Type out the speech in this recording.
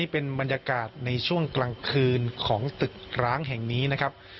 เป็นบรรยากาศในช่วงกลางคืนของตึกร้างแห่งนี้นะครับ